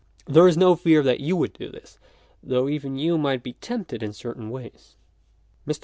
There is no fear that you would do this, though even you might be tempted in certain ways." Mr.